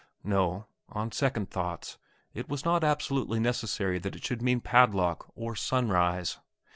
No; on second thoughts, it was not absolutely necessary that it should mean padlock, or sunrise.